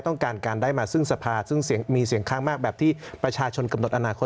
ต้องการการได้มาซึ่งสภาพซึ่งมีเสี่ยงคล้างมาก